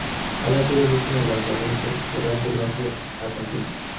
Había sido el último alzamiento federal del norte argentino.